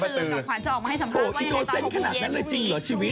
ฟันตื่นกับขวานจะออกมาให้สำคัญว่าโออิโนเสสขนาดนั้นเลยจริงหรอชีวิต